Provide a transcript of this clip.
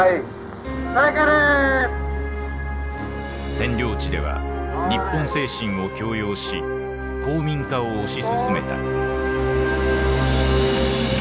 占領地では日本精神を強要し皇民化を推し進めた。